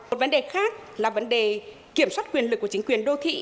một vấn đề khác là vấn đề kiểm soát quyền lực của chính quyền đô thị